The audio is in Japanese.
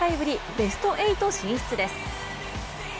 ベスト８進出です。